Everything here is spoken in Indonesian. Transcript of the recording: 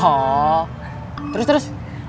oho terus terus